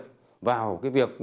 các cấp không được can thiệp